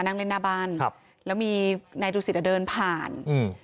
นั่งเล่นหน้าบ้านครับแล้วมีนายดูสิตอ่ะเดินผ่านอืม